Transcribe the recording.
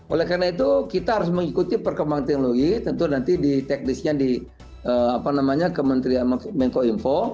oleh karena itu kita harus mengikuti perkembang teknologi tentu nanti di teknisnya di apa namanya kementerian menkominfo